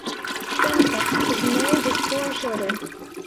Prempeh is married with four children.